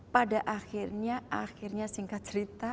pada akhirnya singkat cerita